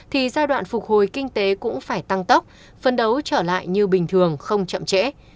thì giai đoạn phục hồi kinh tế cũng phải tăng tốc phân đấu trở lại như bình thường không chậm trễ